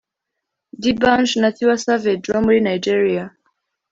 D’banj na Tiwa Savage bo muri Nigeria